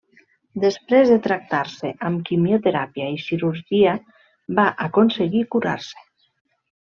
Després de tractar-se amb quimioteràpia i cirurgia va aconseguir curar-se.